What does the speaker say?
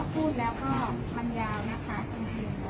พูดแล้วก็มันยาวนะคะจริง